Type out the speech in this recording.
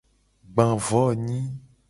Gba vo nyi.